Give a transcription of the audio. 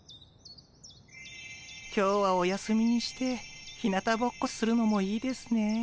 今日はお休みにしてひなたぼっこするのもいいですね。